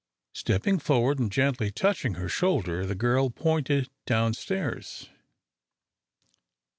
Stepping forward and gently touching her shoulder, the girl pointed down stairs.